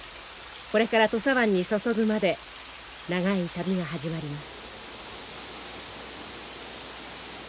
これから土佐湾に注ぐまで長い旅が始まります。